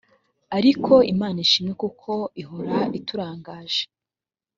ariko imana ishimwe kuko ihora iturangaje